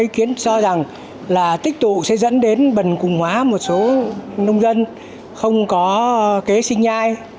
khiến so rằng là tích tụ sẽ dẫn đến bần cùng hóa một số nông dân không có kế sinh nhai